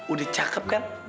udah cakep kan